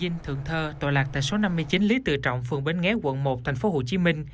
hà ninh thượng thơ tội lạc tại số năm mươi chín lý tự trọng phường bến ghé quận một tp hcm